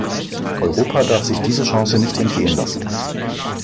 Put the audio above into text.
Europa darf sich diese Chance nicht entgehen lassen.